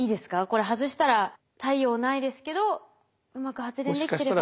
これ外したら太陽ないですけどうまく発電できてれば。